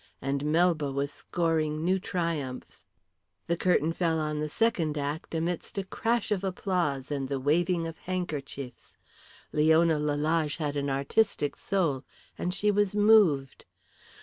And Melba was scoring new triumphs. The curtain fell on the second act amidst a crash of applause and the waving of handkerchiefs. Leona Lelage had an artistic soul, and she was moved.